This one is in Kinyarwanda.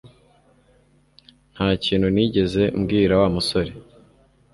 Nta kintu nigeze mbwira Wa musore